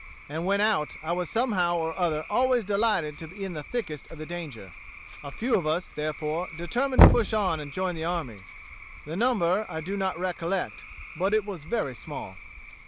And when out, I was somehow or other always delighted to be in the thickest of the danger. A few of us, therefore, determined to push on and join the army. The number I do not recollect, but it was very small."